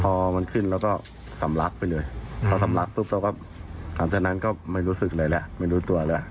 พอมันขึ้นแล้วก็สำลักไปเลยพอสำลักปุ๊บเราก็หลังจากนั้นก็ไม่รู้สึกเลยแหละไม่รู้ตัวเลย